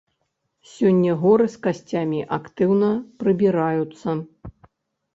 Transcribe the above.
Сёння горы з касцямі актыўна прыбіраюцца.